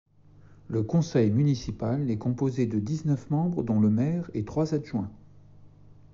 Le conseil municipal est composé de dix-neuf membres dont le maire et trois adjoints.